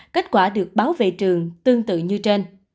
kết quả được báo về trường tương tự như trên